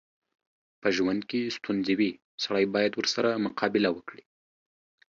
په ژوند کې ستونځې وي، سړی بايد ورسره مقابله وکړي.